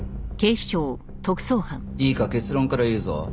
いいか結論から言うぞ。